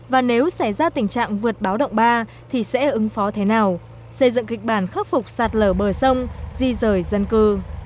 và nếu xảy ra tình trạng vượt báo động ba thì sẽ ứng phó thế nào xây dựng kịch bản khắc phục sạt lở bờ sông di rời dân cư